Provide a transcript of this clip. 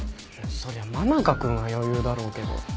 そりゃ真中君は余裕だろうけど。